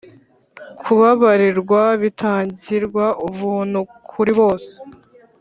kubabarirwa bitangirwa ubuntu kuri bose